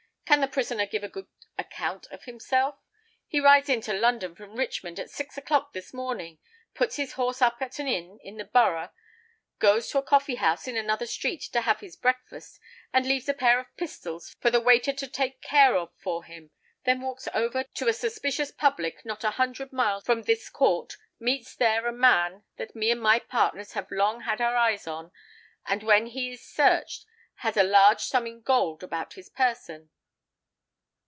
Can the prisoner give a good account of himself? He rides into London from Richmond at six o'clock this morning; puts his horse up at an inn in the Borough; goes to a coffee house in another street to have his breakfast, and leaves a pair of pistols for the waiter to take care of for him; then walks over to a suspicious public not a hundred miles from this court; meets there a man that me and my partners have long had our eyes on; and, when he is searched, has a large sum in gold about his person."